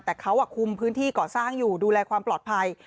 แต่เขาคุมพื้นที่ก่อสร้างอยู่ดูแลความปลอดภัย